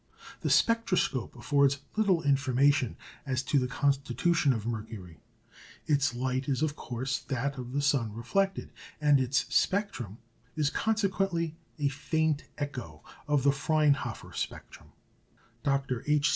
The spectroscope affords little information as to the constitution of Mercury. Its light is of course that of the sun reflected, and its spectrum is consequently a faint echo of the Fraunhofer spectrum. Dr. H.